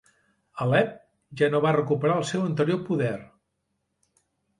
Alep ja no va recuperar el seu anterior poder.